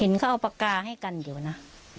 เขาเอาปากกาให้กันอยู่นะ